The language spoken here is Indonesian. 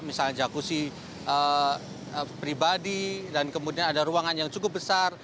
misalnya jakusi pribadi dan kemudian ada ruangan yang cukup besar